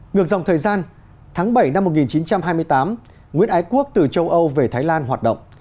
ngược dòng thời gian tháng bảy năm một nghìn chín trăm hai mươi tám nguyễn ái quốc từ châu âu về thái lan hoạt động